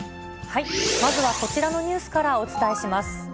まずはこちらのニュースからお伝えします。